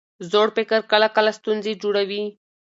زوړ فکر کله کله ستونزې جوړوي.